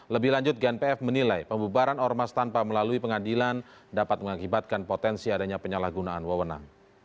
lebih lanjut gnpf menilai pembubaran ormas tanpa melalui pengadilan dapat mengakibatkan potensi adanya penyalahgunaan wewenang